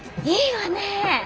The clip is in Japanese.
いいわね！